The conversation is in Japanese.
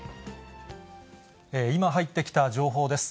今、入ってきた情報です。